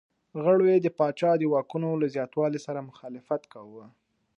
غړو یې د پاچا د واکونو له زیاتوالي سره مخالفت کاوه.